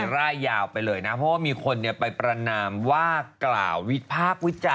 หลายปีใหม่เอาอันนี้เลยควรบอกเลยทีเดียวนะ